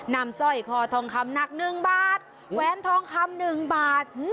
สร้อยคอทองคำหนัก๑บาทแหวนทองคำ๑บาท